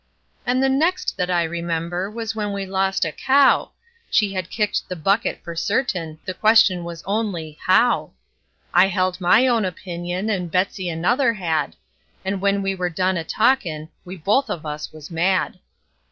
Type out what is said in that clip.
And the next that I remember was when we lost a cow; She had kicked the bucket for certain, the question was only How? I held my own opinion, and Betsey another had; And when we were done a talkin', we both of us was mad.